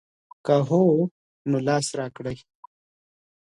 که هو نو لاس راکړئ.